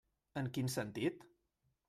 En quin sentit?